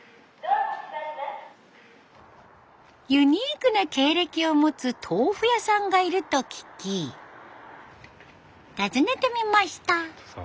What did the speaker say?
ユニークな経歴を持つ豆腐屋さんがいると聞き訪ねてみました。